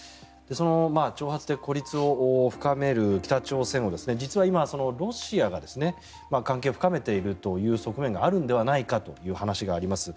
挑発的孤立を深める北朝鮮を実は今、ロシアが関係を深めているという側面があるのではという話があります。